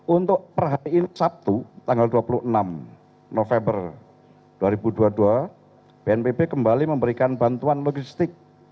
untuk perhari sabtu tanggal dua puluh enam november dua ribu dua puluh dua bnpb kembali memberikan bantuan logistik